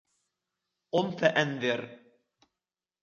قُمْ فَأَنْذِرْ